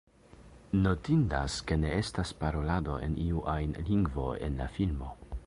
Notindas ke ne estas parolado en iu ajn lingvo en la filmo.